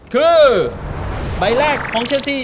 คือใบแรกของเชลซี่